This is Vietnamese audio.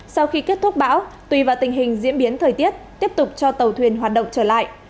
sau khi kết thúc bão tùy vào tình hình diễn biến thời tiết tiếp tục cho tàu thuyền hoạt động trở lại